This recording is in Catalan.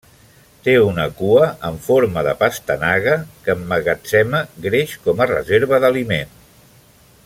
Té una cua en forma de pastanaga, que emmagatzema greix com a reserva d'aliment.